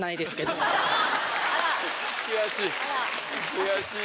悔しい！